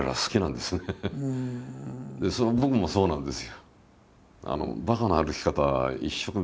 で僕もそうなんですよ。